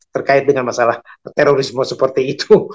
terkait dengan masalah terorisme seperti itu